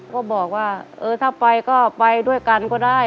ก็บอกว่าเออถ้าไปก็ไปด้วยกันก็ได้